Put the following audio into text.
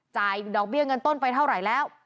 ดอกเบี้ยเงินต้นไปเท่าไหร่แล้ว